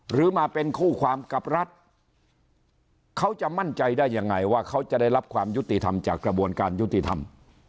หรือมาเป็นคู่ความกับรัฐเขาจะมั่นใจได้ยังไงว่าเขาจะได้รับความยุติธรรมจากกระบวนการยุติธรรม